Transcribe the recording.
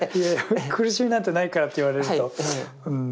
苦しみなんてないからって言われるとうん。